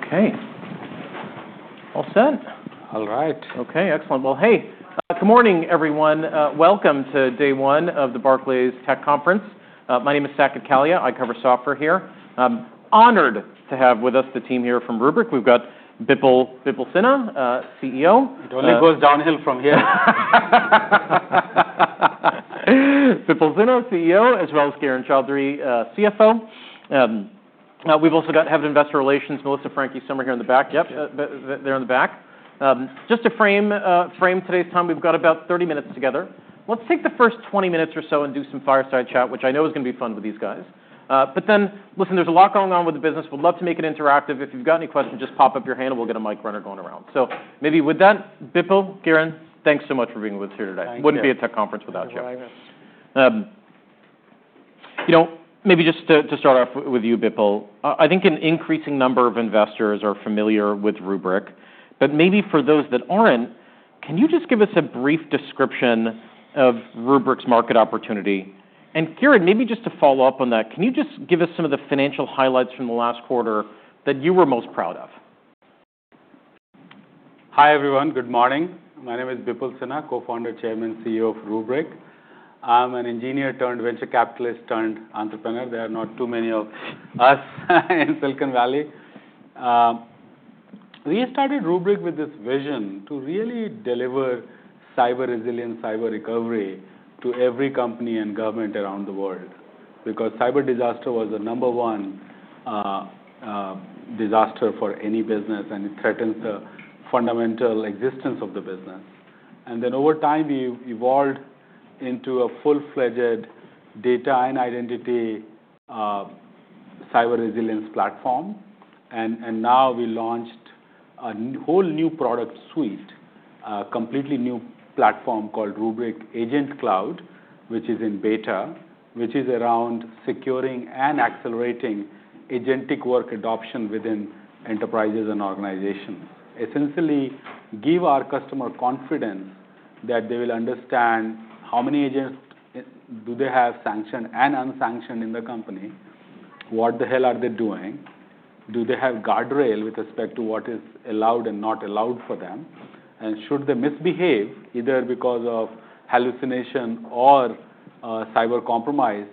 Okay. All set. All right. Okay. Excellent. Well, hey, good morning, everyone. Welcome to day one of the Barclays Tech Conference. My name is Saket Kalia. I cover software here. Honored to have with us the team here from Rubrik. We've got Bipul Sinha, CEO. Don't let it go downhill from here. Bipul Sinha, CEO, as well as Kiran Choudary, CFO. We've also got Head of Investor Relations, Melissa Franchi, somewhere here in the back. Yep. Yes. There in the back. Just to frame today's time, we've got about 30 minutes together. Let's take the first 20 minutes or so and do some fireside chat, which I know is gonna be fun with these guys. But then, listen, there's a lot going on with the business. We'd love to make it interactive. If you've got any questions, just pop up your hand and we'll get a mic runner going around. So maybe with that, Bipul, Kiran, thanks so much for being with us here today. Thank you. Wouldn't be a tech conference without you. No, I know. You know, maybe just to start off with you, Bipul, I think an increasing number of investors are familiar with Rubrik. But maybe for those that aren't, can you just give us a brief description of Rubrik's market opportunity? And Kiran, maybe just to follow up on that, can you just give us some of the financial highlights from the last quarter that you were most proud of? Hi everyone. Good morning. My name is Bipul Sinha, co-founder, chairman, CEO of Rubrik. I'm an engineer turned venture capitalist turned entrepreneur. There are not too many of us in Silicon Valley. We started Rubrik with this vision to really deliver Cyber Resilience, cyber recovery to every company and government around the world because cyber disaster was the number one disaster for any business, and it threatens the fundamental existence of the business, and then over time, we evolved into a full-fledged data and identity Cyber Resilience platform, and now we launched a whole new product suite, a completely new platform called Rubrik Agent Cloud, which is in beta, which is around securing and accelerating agentic work adoption within enterprises and organizations. Essentially, give our customer confidence that they will understand how many agents do they have sanctioned and unsanctioned in the company, what the hell are they doing, do they have guardrail with respect to what is allowed and not allowed for them, and should they misbehave either because of hallucination or cyber compromise,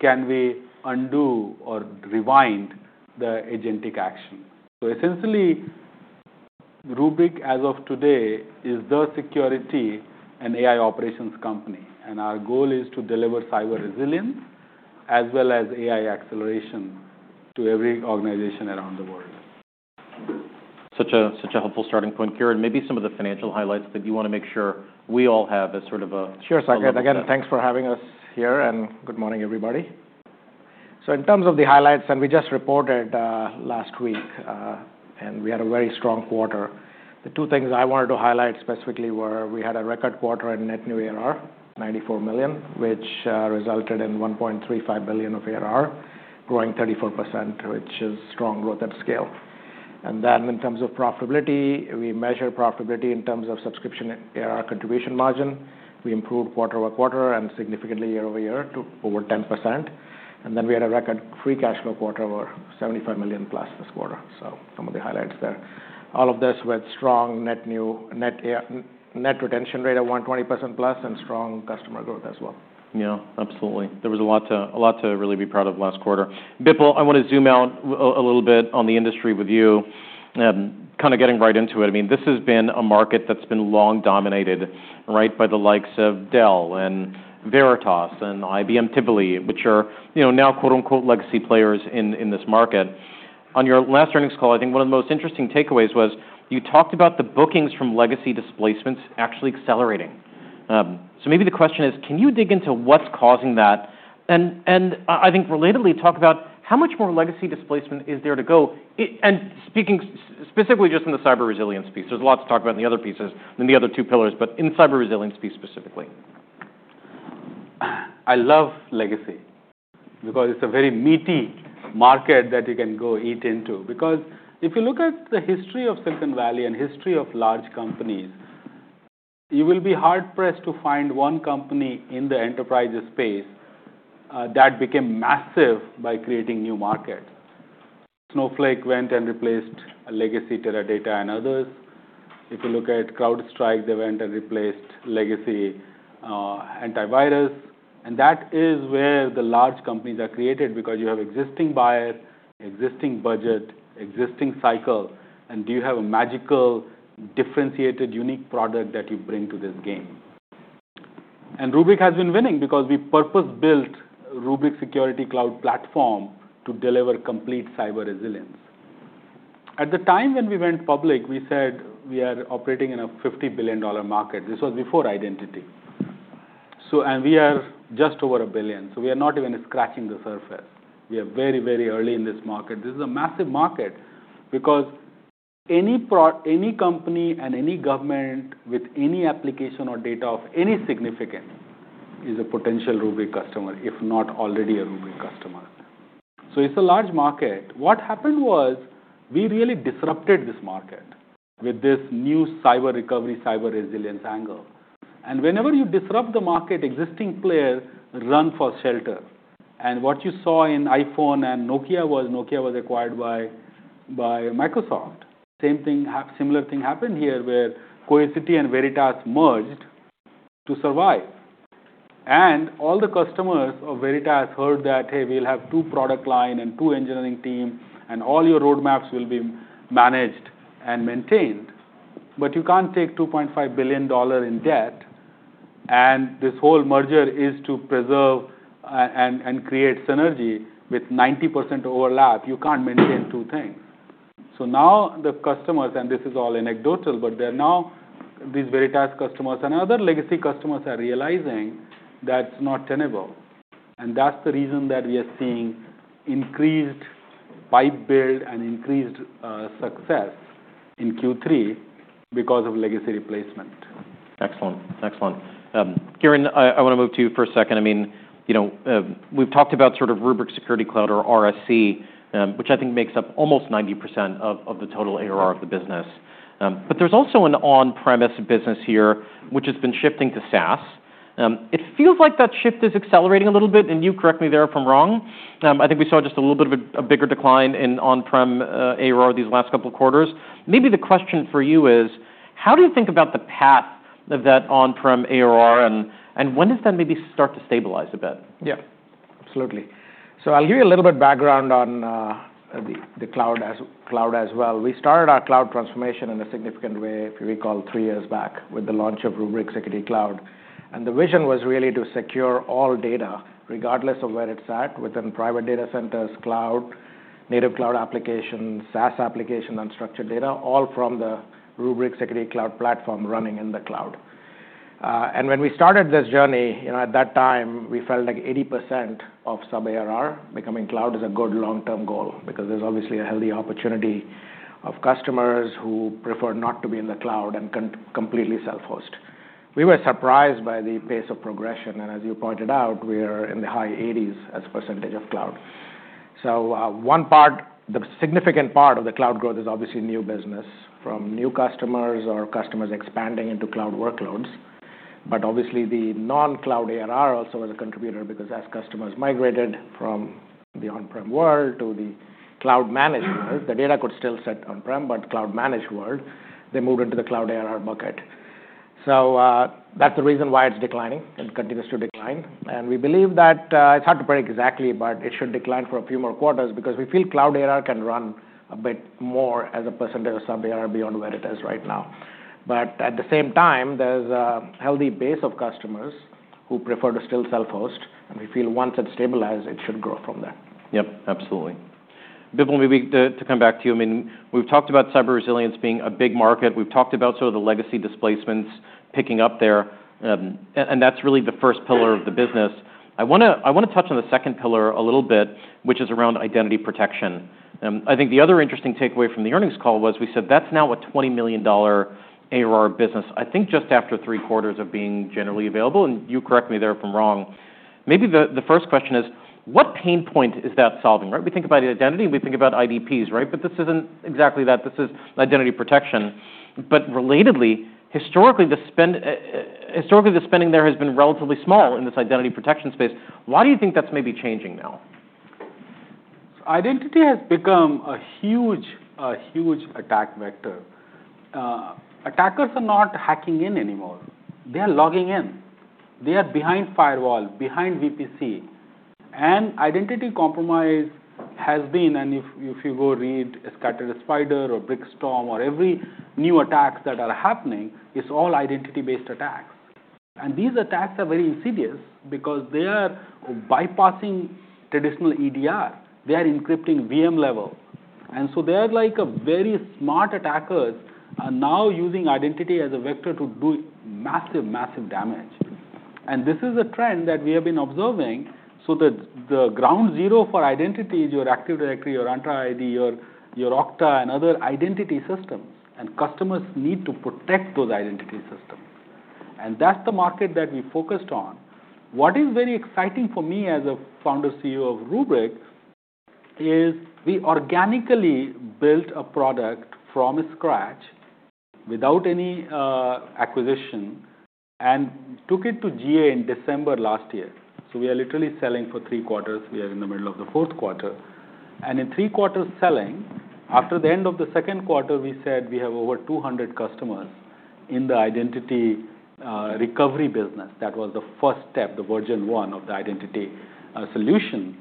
can we undo or rewind the agentic action. So essentially, Rubrik as of today is the security and AI operations company, and our goal is to deliver Cyber Resilience as well as AI acceleration to every organization around the world. Such a helpful starting point, Kiran. Maybe some of the financial highlights that you wanna make sure we all have as sort of a. Sure. So again, thanks for having us here, and good morning, everybody. So in terms of the highlights and we just reported last week and we had a very strong quarter. The two things I wanted to highlight specifically were we had a record quarter in net new ERR, $94 million, which resulted in $1.35 billion of ERR, growing 34%, which is strong growth at scale. And then in terms of profitability, we measured profitability in terms of subscription ERR contribution margin. We improved quarter-over-quarter and significantly year-over-year to over 10%. And then we had a record free cash flow quarter over $75 million plus this quarter. So some of the highlights there. All of this with strong net new ERR, net retention rate of 120% + and strong customer growth as well. Yeah. Absolutely. There was a lot to really be proud of last quarter. Bipul, I wanna zoom out a little bit on the industry with you, kinda getting right into it. I mean, this has been a market that's been long dominated, right, by the likes of Dell and Veritas and IBM Tivoli, which are, you know, now quote-unquote legacy players in this market. On your last earnings call, I think one of the most interesting takeaways was you talked about the bookings from legacy displacements actually accelerating, so maybe the question is, can you dig into what's causing that? And I think relatedly, talk about how much more legacy displacement is there to go? And speaking specifically just in the Cyber Resilience piece, there's a lot to talk about in the other pieces, in the other two pillars, but in Cyber Resilience piece specifically. I love legacy because it's a very meaty market that you can go eat into. Because if you look at the history of Silicon Valley and history of large companies, you will be hard-pressed to find one company in the enterprise space that became massive by creating new markets. Snowflake went and replaced legacy Teradata and others. If you look at CrowdStrike, they went and replaced legacy antivirus. And that is where the large companies are created because you have existing buyers, existing budget, existing cycle, and do you have a magical differentiated unique product that you bring to this game? And Rubrik has been winning because we purpose-built Rubrik Security Cloud Platform to deliver complete Cyber Resilience. At the time when we went public, we said we are operating in a $50 billion market. This was before identity. So and we are just over a billion. So we are not even scratching the surface. We are very, very early in this market. This is a massive market because any pro, any company and any government with any application or data of any significance is a potential Rubrik customer, if not already a Rubrik customer. So it's a large market. What happened was we really disrupted this market with this new cyber recovery, Cyber Resilience angle. And whenever you disrupt the market, existing players run for shelter. And what you saw in iPhone and Nokia was Nokia was acquired by Microsoft. Same thing, similar thing happened here where Cohesity and Veritas merged to survive. And all the customers of Veritas heard that, "Hey, we'll have two product lines and two engineering teams, and all your roadmaps will be managed and maintained." But you can't take $2.5 billion in debt, and this whole merger is to preserve and create synergy with 90% overlap. You can't maintain two things. So now the customers, and this is all anecdotal, but they're now these Veritas customers and other legacy customers are realizing that's not tenable. And that's the reason that we are seeing increased pipe build and increased success in Q3 because of legacy replacement. Excellent. Excellent. Kiran, I, I wanna move to you for a second. I mean, you know, we've talked about sort of Rubrik Security Cloud or RSC, which I think makes up almost 90% of, of the total ERR of the business, but there's also an on-premises business here, which has been shifting to SaaS. It feels like that shift is accelerating a little bit, and you correct me there if I'm wrong. I think we saw just a little bit of a, a bigger decline in on-prem, ERR these last couple of quarters. Maybe the question for you is, how do you think about the path of that on-prem ERR, and, and when does that maybe start to stabilize a bit? Yeah. Absolutely, so I'll give you a little bit of background on the cloud as cloud as well. We started our cloud transformation in a significant way, if you recall, three years back with the launch of Rubrik Security Cloud. And the vision was really to secure all data regardless of where it's at, within private data centers, cloud, native cloud applications, SaaS applications, unstructured data, all from the Rubrik Security Cloud Platform running in the cloud, and when we started this journey, you know, at that time, we felt like 80% of sub-ARR becoming cloud is a good long-term goal because there's obviously a healthy opportunity of customers who prefer not to be in the cloud and can completely self-host. We were surprised by the pace of progression. And as you pointed out, we are in the high 80s as a percentage of cloud. So, one part, the significant part of the cloud growth is obviously new business from new customers or customers expanding into cloud workloads. But obviously, the non-cloud ERR also was a contributor because as customers migrated from the on-prem world to the cloud managed world, the data could still sit on-prem, but cloud managed world, they moved into the cloud ERR bucket. So, that's the reason why it's declining and continues to decline. And we believe that, it's hard to predict exactly, but it should decline for a few more quarters because we feel cloud ERR can run a bit more as a percentage of sub-ERR beyond where it is right now. But at the same time, there's a healthy base of customers who prefer to still self-host. And we feel once it stabilizes, it should grow from there. Yep. Absolutely. Bipul, maybe to come back to you, I mean, we've talked about Cyber Resilience being a big market. We've talked about sort of the legacy displacements picking up there. And that's really the first pillar of the business. I wanna touch on the second pillar a little bit, which is around identity protection. I think the other interesting takeaway from the earnings call was we said that's now a $20 million ERR business, I think just after three quarters of being generally available. And you correct me there if I'm wrong. Maybe the first question is, what pain point is that solving, right? We think about identity and we think about IDPs, right? But this isn't exactly that. This is identity protection. But relatedly, historically, the spend, historically, the spending there has been relatively small in this identity protection space. Why do you think that's maybe changing now? So identity has become a huge, a huge attack vector. Attackers are not hacking in anymore. They are logging in. They are behind firewall, behind VPC. And identity compromise has been, and if you go read Scattered Spider or Brickstorm or every new attacks that are happening, it's all identity-based attacks. And these attacks are very insidious because they are bypassing traditional EDR. They are encrypting VM level. And so they are like very smart attackers are now using identity as a vector to do massive, massive damage. And this is a trend that we have been observing. So that the ground zero for identity is your Active Directory, your Entra ID, your Okta, and other identity systems. And customers need to protect those identity systems. And that's the market that we focused on. What is very exciting for me as a founder CEO of Rubrik is we organically built a product from scratch without any acquisition and took it to GA in December last year. So we are literally selling for three quarters. We are in the middle of the fourth quarter. And in three quarters selling, after the end of the second quarter, we said we have over 200 customers in the Identity Recovery business. That was the first step, the version one of the identity solution.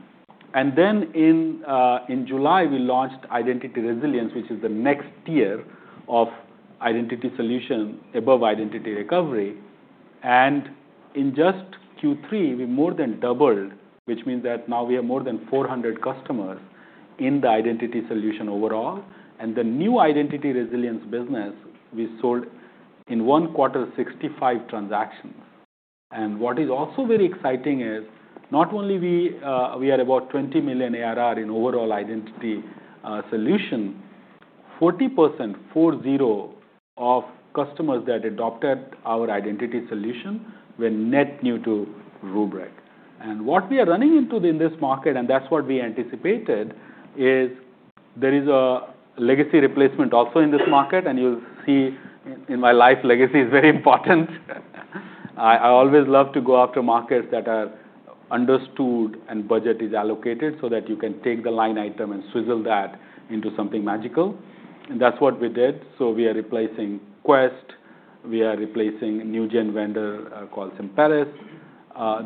And then in July, we launched identity resilience, which is the next tier of identity solution above Identity Recovery. And in just Q3, we more than doubled, which means that now we have more than 400 customers in the identity solution overall. And the new identity resilience business, we sold in one quarter 65 transactions. And what is also very exciting is not only we are about $20 million ERR in overall identity solution, 40%, four zero, of customers that adopted our identity solution were net new to Rubrik. And what we are running into in this market, and that's what we anticipated, is there is a legacy replacement also in this market. And you'll see in my life, legacy is very important. I always love to go after markets that are understood and budget is allocated so that you can take the line item and swizzle that into something magical. And that's what we did. So we are replacing Quest. We are replacing new gen vendor, called Semperis.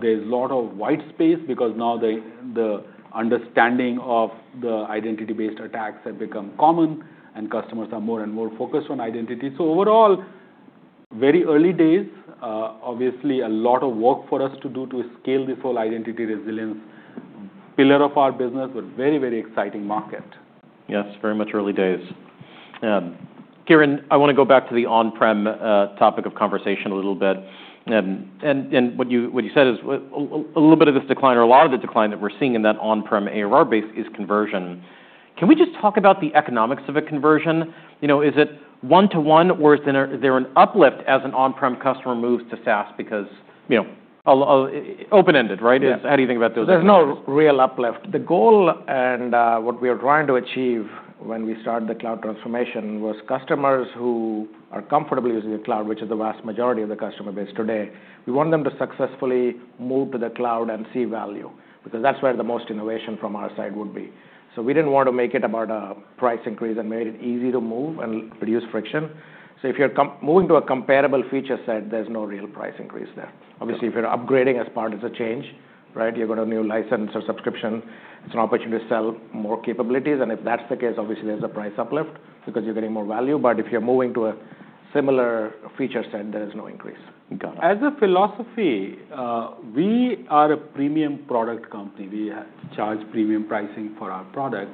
There's a lot of white space because now the understanding of the identity-based attacks have become common, and customers are more and more focused on identity. So overall, very early days, obviously a lot of work for us to do to scale this whole identity resilience pillar of our business, but very, very exciting market. Yes. Very much early days. Kiran, I wanna go back to the on-prem topic of conversation a little bit, and what you said is a little bit of this decline or a lot of the decline that we're seeing in that on-prem ERR base is conversion. Can we just talk about the economics of a conversion? You know, is it one-to-one or is there an uplift as an on-prem customer moves to SaaS because, you know, a little open-ended, right? Yes. How do you think about those? There's no real uplift. The goal, and what we are trying to achieve when we start the cloud transformation was customers who are comfortable using the cloud, which is the vast majority of the customer base today. We want them to successfully move to the cloud and see value because that's where the most innovation from our side would be, so we didn't wanna make it about a price increase and made it easy to move and reduce friction, so if you're moving to a comparable feature set, there's no real price increase there. Obviously, if you're upgrading as part of the change, right, you're gonna have a new license or subscription. It's an opportunity to sell more capabilities, and if that's the case, obviously there's a price uplift because you're getting more value, but if you're moving to a similar feature set, there is no increase. Got it. As a philosophy, we are a premium product company. We charge premium pricing for our product,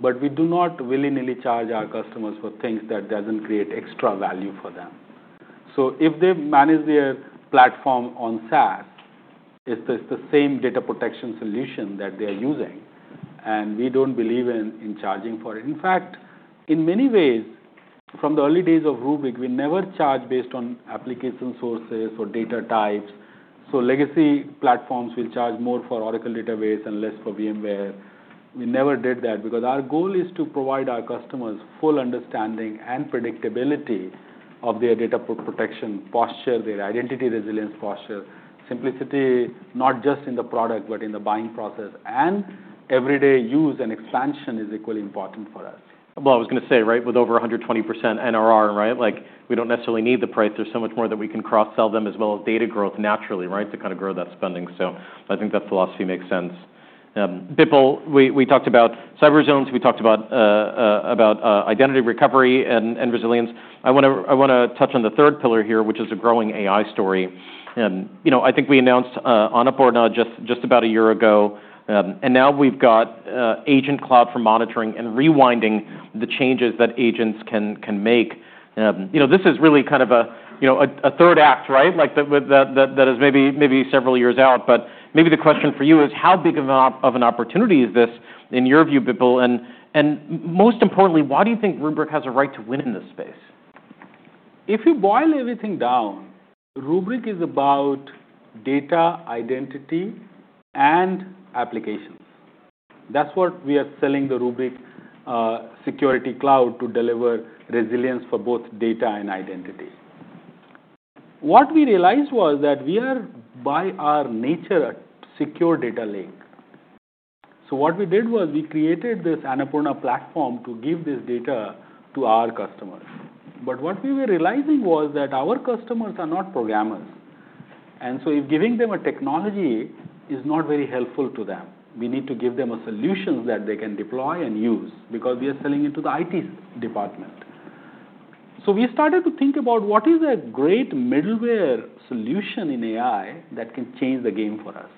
but we do not willy-nilly charge our customers for things that doesn't create extra value for them, so if they manage their platform on SaaS, it's the same data protection solution that they are using, and we don't believe in charging for it. In fact, in many ways, from the early days of Rubrik, we never charge based on application sources or data types, so legacy platforms will charge more for Oracle Database and less for VMware. We never did that because our goal is to provide our customers full understanding and predictability of their data protection posture, their identity resilience posture, simplicity, not just in the product but in the buying process, and everyday use and expansion is equally important for us. Well, I was gonna say, right, with over 120% NRR, right, like we don't necessarily need the price. There's so much more that we can cross-sell them as well as data growth naturally, right, to kind of grow that spending. So I think that philosophy makes sense. Bipul, we talked about cyber zones. We talked about Identity Recovery and Resilience. I wanna touch on the third pillar here, which is a growing AI story. You know, I think we announced Annapurna just about a year ago. And now we've got Agent Cloud for monitoring and rewinding the changes that agents can make. You know, this is really kind of a, you know, a third act, right, like that is maybe several years out. But maybe the question for you is, how big of an opportunity is this in your view, Bipul? And most importantly, why do you think Rubrik has a right to win in this space? If you boil everything down, Rubrik is about data, identity, and applications. That's what we are selling, the Rubrik Security Cloud, to deliver resilience for both data and identity. What we realized was that we are, by our nature, a secure data lake. So what we did was we created this Annapurna platform to give this data to our customers. But what we were realizing was that our customers are not programmers. And so if giving them a technology is not very helpful to them, we need to give them a solution that they can deploy and use because we are selling it to the IT department. So we started to think about what is a great middleware solution in AI that can change the game for us.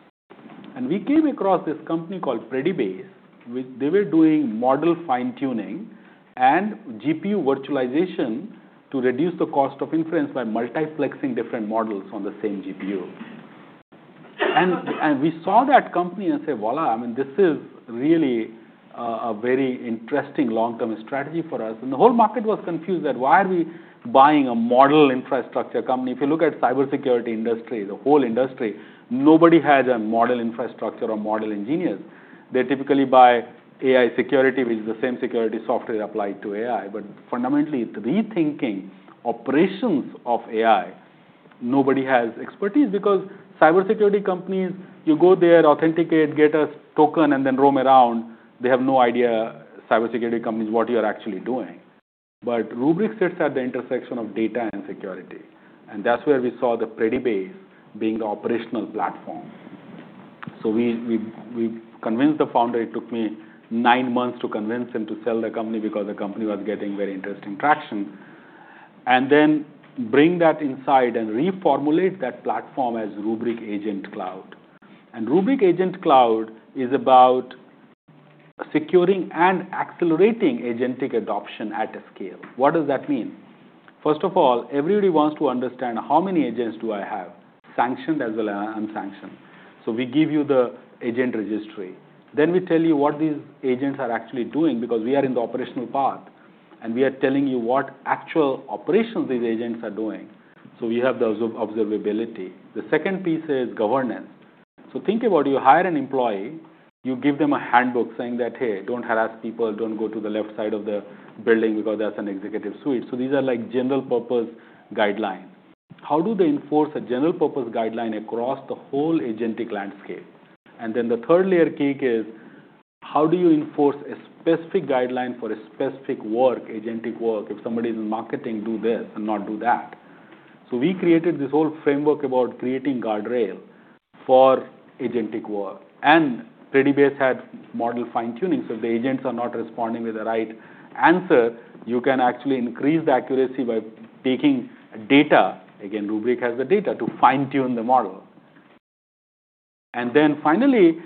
And we came across this company called Predibase, which they were doing model fine-tuning and GPU virtualization to reduce the cost of inference by multiplexing different models on the same GPU. And we saw that company and said, "Voilà, I mean, this is really, a very interesting long-term strategy for us." And the whole market was confused that why are we buying a model infrastructure company? If you look at the cybersecurity industry, the whole industry, nobody has a model infrastructure or model engineers. They typically buy AI security, which is the same security software applied to AI. But fundamentally, it's rethinking operations of AI. Nobody has expertise because cybersecurity companies, you go there, authenticate, get a token, and then roam around. They have no idea, cybersecurity companies, what you are actually doing. But Rubrik sits at the intersection of data and security. And that's where we saw Predibase being the operational platform. So we convinced the founder. It took me nine months to convince him to sell the company because the company was getting very interesting traction. And then bring that inside and reformulate that platform as Rubrik Agent Cloud. And Rubrik Agent Cloud is about securing and accelerating agentic adoption at a scale. What does that mean? First of all, everybody wants to understand how many agents do I have sanctioned as well as unsanctioned. So we give you the agent registry. Then we tell you what these agents are actually doing because we are in the operational path, and we are telling you what actual operations these agents are doing. So we have the observability. The second piece is governance. So think about it. You hire an employee, you give them a handbook saying that, "Hey, don't harass people. Don't go to the left side of the building because that's an executive suite." So these are like general purpose guidelines. How do they enforce a general purpose guideline across the whole agentic landscape? And then the third layer kick is, how do you enforce a specific guideline for a specific work, agentic work? If somebody's in marketing, do this and not do that. So we created this whole framework about creating guardrail for agentic work. And Predibase had model fine-tuning. So if the agents are not responding with the right answer, you can actually increase the accuracy by taking data. Again, Rubrik has the data to fine-tune the model. And then finally,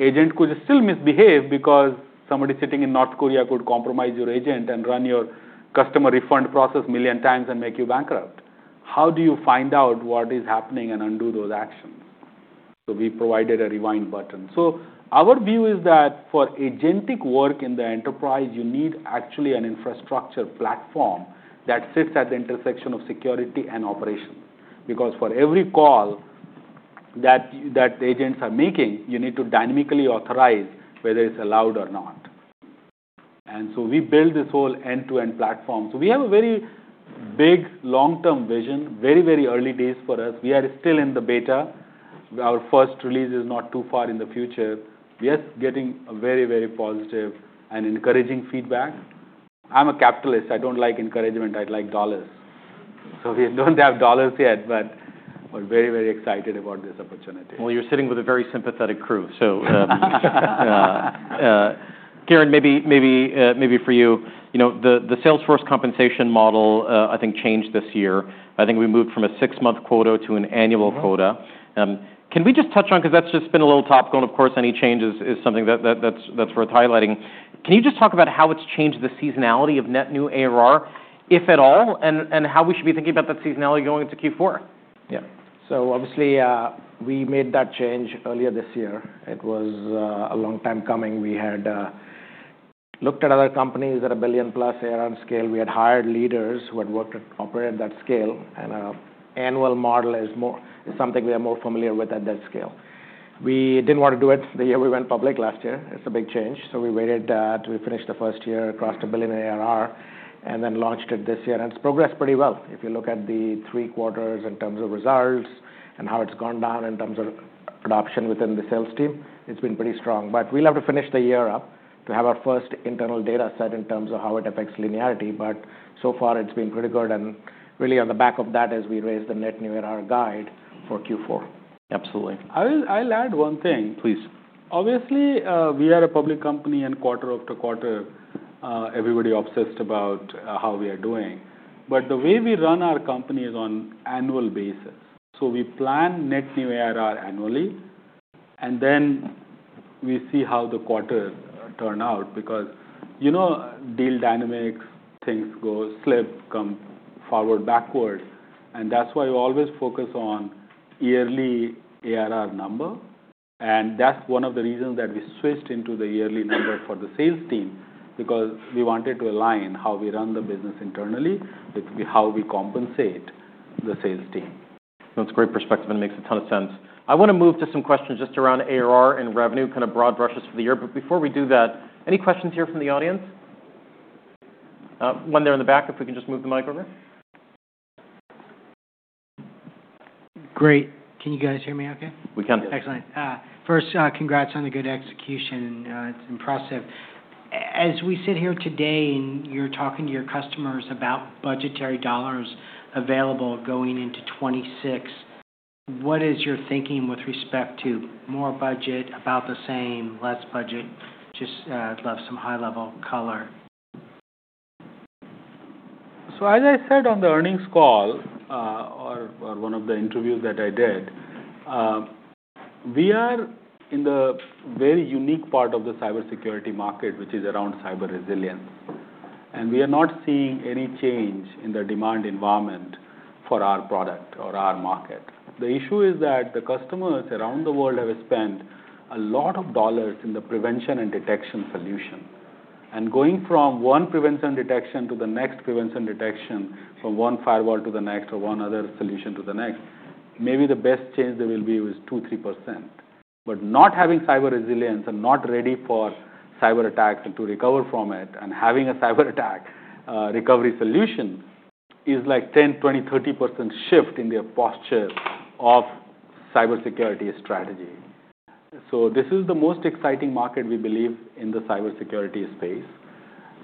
agent could still misbehave because somebody sitting in North Korea could compromise your agent and run your customer refund process a million times and make you bankrupt. How do you find out what is happening and undo those actions? So we provided a rewind button. So our view is that for agentic work in the enterprise, you need actually an infrastructure platform that sits at the intersection of security and operation because for every call that agents are making, you need to dynamically authorize whether it's allowed or not. And so we build this whole end-to-end platform. So we have a very big long-term vision, very, very early days for us. We are still in the beta. Our first release is not too far in the future. We are getting very, very positive and encouraging feedback. I'm a capitalist. I don't like encouragement. I like dollars, so we don't have dollars yet, but we're very, very excited about this opportunity. Well, you're sitting with a very sympathetic crew. So, Kiran, maybe for you, you know, the sales force Compensation Model, I think changed this year. I think we moved from a six-month quota to an annual quota. Can we just touch on, 'cause that's just been a little topical, and of course, any change is something that's worth highlighting. Can you just talk about how it's changed the seasonality of net new ARR, if at all, and how we should be thinking about that seasonality going into Q4? Yeah. So obviously, we made that change earlier this year. It was a long time coming. We had looked at other companies at a billion-plus ARR scale. We had hired leaders who had worked at, operated at that scale. And annual model is more something we are more familiar with at that scale. We didn't wanna do it the year we went public last year. It's a big change. So we waited that. We finished the first year, crossed a billion ARR, and then launched it this year. And it's progressed pretty well. If you look at the three quarters in terms of results and how it's gone down in terms of adoption within the sales team, it's been pretty strong. But we'll have to finish the year up to have our first internal data set in terms of how it affects linearity. But so far, it's been pretty good. And really on the back of that is we raised the net new ARR guide for Q4. Absolutely. I'll add one thing, please. Obviously, we are a public company, and quarter after quarter, everybody obsessed about how we are doing. But the way we run our company is on annual basis. So we plan net new ARR annually, and then we see how the quarter turn out because, you know, deal dynamics, things go slip, come forward, backward. And that's why we always focus on yearly ARR number. And that's one of the reasons that we switched into the yearly number for the sales team because we wanted to align how we run the business internally with how we compensate the sales team. That's a great perspective, and it makes a ton of sense. I wanna move to some questions just around ARR and revenue, kind of broad brushes for the year. But before we do that, any questions here from the audience? One there in the back, if we can just move the mic over. Great. Can you guys hear me okay? We can. Excellent. First, congrats on the good execution. It's impressive. As we sit here today and you're talking to your customers about budgetary dollars available going into 2026, what is your thinking with respect to more budget, about the same, less budget? Just love some high-level color. So as I said on the earnings call, or one of the interviews that I did, we are in the very unique part of the cybersecurity market, which is around Cyber Resilience. And we are not seeing any change in the demand environment for our product or our market. The issue is that the customers around the world have spent a lot of dollars in the prevention and detection solution. And going from one prevention detection to the next prevention detection, from one firewall to the next or one other solution to the next, maybe the best change there will be was 2%-3%. But not having Cyber Resilience and not ready for cyber attacks and to recover from it and having a cyber attack, recovery solution is like 10, 20, 30% shift in their posture of cybersecurity strategy. So this is the most exciting market we believe in the cybersecurity space.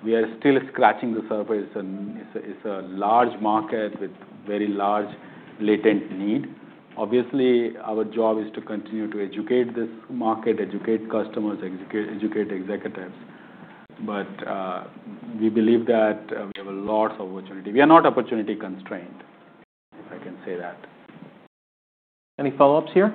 We are still scratching the surface, and it's a, it's a large market with very large latent need. Obviously, our job is to continue to educate this market, educate customers, educate, educate executives. But, we believe that, we have a lot of opportunity. We are not opportunity constrained, if I can say that. Any follow-ups here?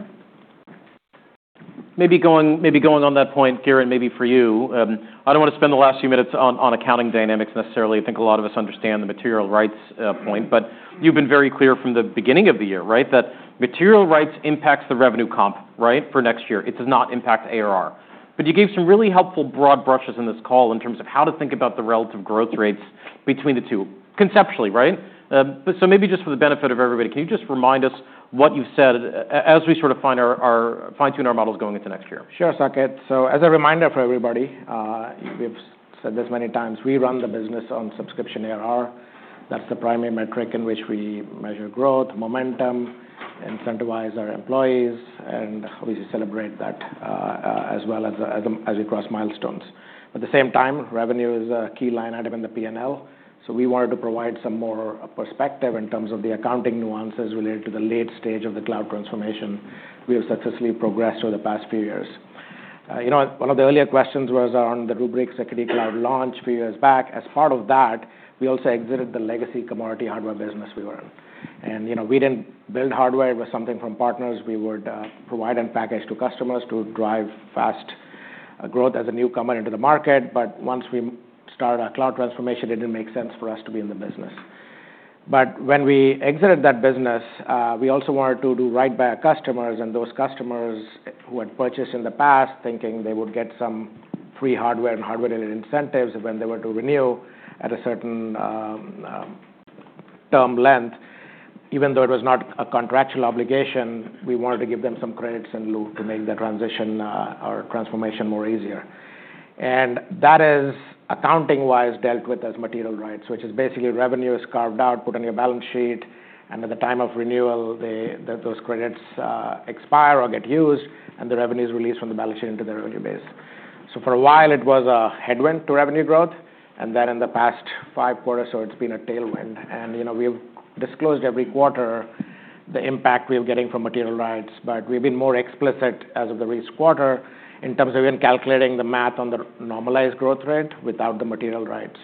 Maybe going on that point, Kiran, maybe for you. I don't wanna spend the last few minutes on accounting dynamics necessarily. I think a lot of us understand the material rights point. But you've been very clear from the beginning of the year, right, that material rights impacts the revenue comp, right, for next year. It does not impact ARR. But you gave some really helpful broad brushes in this call in terms of how to think about the relative growth rates between the two, conceptually, right, but so maybe just for the benefit of everybody, can you just remind us what you've said as we sort of fine-tune our models going into next year? Sure, Saket. So as a reminder for everybody, we've said this many times, we run the business on subscription ARR. That's the primary metric in which we measure growth, momentum, incentivize our employees, and obviously celebrate that, as well as we cross milestones. At the same time, revenue is a key line item in the P&L. So we wanted to provide some more perspective in terms of the accounting nuances related to the late stage of the cloud transformation we have successfully progressed over the past few years. You know, one of the earlier questions was on the Rubrik Security Cloud launch a few years back. As part of that, we also exited the legacy commodity hardware business we were in. And, you know, we didn't build hardware. It was something from partners we would provide and package to customers to drive fast growth as a newcomer into the market, but once we started our cloud transformation, it didn't make sense for us to be in the business, but when we exited that business, we also wanted to do right by our customers, and those customers who had purchased in the past, thinking they would get some free hardware and hardware-related incentives when they were to renew at a certain term length, even though it was not a contractual obligation, we wanted to give them some credits in lieu to make the transition or transformation more easier. And that is accounting-wise dealt with as material rights, which is basically revenue is carved out, put on your balance sheet, and at the time of renewal, the those credits expire or get used, and the revenue is released from the balance sheet into the revenue base. So for a while, it was a headwind to revenue growth. And then in the past five quarters, so it's been a tailwind. And, you know, we have disclosed every quarter the impact we are getting from material rights. But we've been more explicit as of the recent quarter in terms of even calculating the math on the normalized growth rate without the material rights.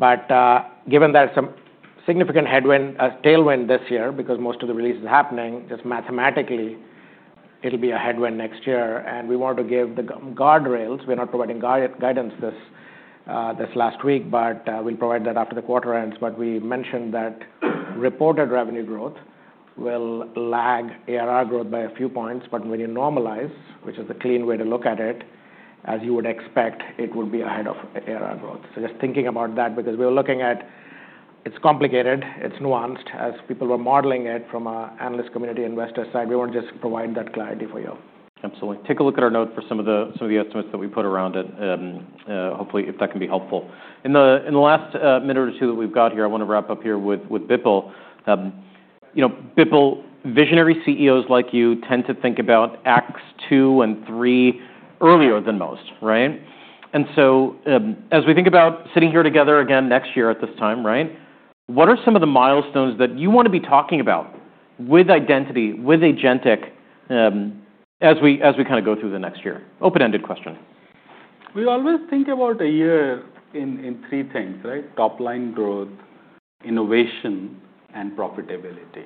But, given that it's a significant headwind, tailwind this year because most of the release is happening, just mathematically, it'll be a headwind next year. And we wanted to give the guardrails. We're not providing guidance this last week, but we'll provide that after the quarter ends. But we mentioned that reported revenue growth will lag ARR growth by a few points. But when you normalize, which is the clean way to look at it, as you would expect, it would be ahead of ARR growth. So just thinking about that because we were looking at, it's complicated. It's nuanced. As people were modeling it from analyst community, investor side, we wanna just provide that clarity for you. Absolutely. Take a look at our note for some of the estimates that we put around it. Hopefully, if that can be helpful. In the last minute or two that we've got here, I wanna wrap up here with Bipul. You know, Bipul, visionary CEOs like you tend to think about acts two and three earlier than most, right? And so, as we think about sitting here together again next year at this time, right, what are some of the milestones that you wanna be talking about with Identity, with Agentic, as we kinda go through the next year? Open-ended question. We always think about a year in three things, right? Top-line growth, innovation, and profitability.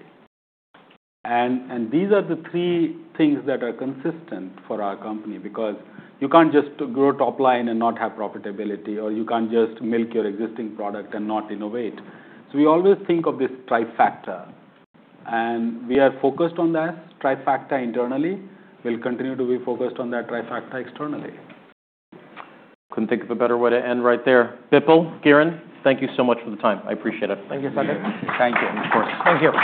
And these are the three things that are consistent for our company because you can't just grow top-line and not have profitability, or you can't just milk your existing product and not innovate. So we always think of this trifecta. And we are focused on that trifecta internally. We'll continue to be focused on that trifecta externally. Couldn't think of a better way to end right there. Bipul, Kiran, thank you so much for the time. I appreciate it. Thank you, Saket. Thank you. Of course. Thank you.